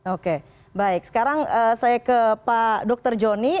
oke baik sekarang saya ke pak dr joni